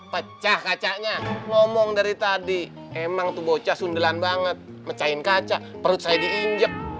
pecah kacanya ngomong dari tadi emang tuh bocah sundelan banget mecahin kaca perut saya diinjek